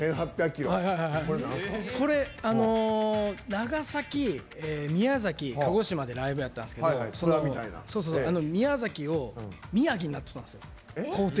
長崎、宮崎鹿児島でライブやったんですけど「宮崎」を「宮城」になってたんです。